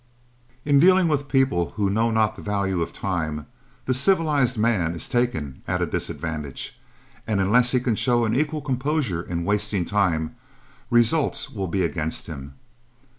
In dealing with people who know not the value of time, the civilized man is taken at a disadvantage, and unless he can show an equal composure in wasting time, results will be against him.